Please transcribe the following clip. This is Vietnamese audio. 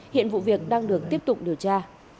hiện vụ việc đang được tiếp tục điều tra